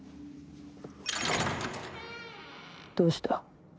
どうした？